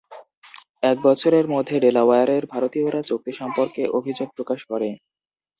এক বছরের মধ্যে ডেলাওয়্যারের ভারতীয়রা চুক্তি সম্পর্কে অভিযোগ প্রকাশ করে।